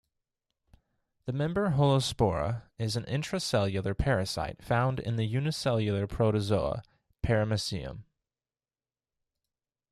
The member "Holospora" is an intracellular parasite found in the unicellular protozoa "Paramecium".